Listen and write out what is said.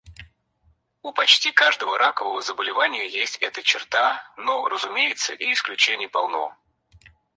У почти каждого ракового заболевания есть эта черта, но, разумеется, и исключений полно.